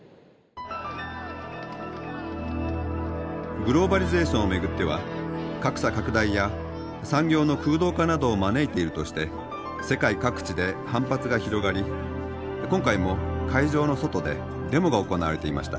グローバリゼーションを巡っては格差拡大や産業の空洞化などを招いているとして世界各地で反発が広がり今回も会場の外でデモが行われていました。